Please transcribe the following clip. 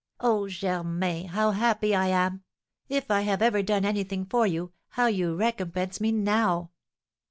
"Oh, Germain, how happy I am! If I have ever done anything for you, how you recompense me now!"